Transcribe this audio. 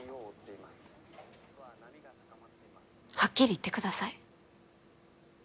はっきり言ってください。